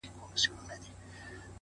يار ژوند او هغه سره خنـديږي.!